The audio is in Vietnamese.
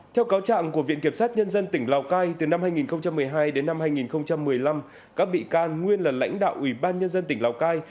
theo cáo trạng của viện kiểm sát nhân dân tỉnh lào cai từ năm hai nghìn một mươi hai đến năm hai nghìn một mươi năm các bị can nguyên là lãnh đạo ủy ban nhân dân tỉnh lào cai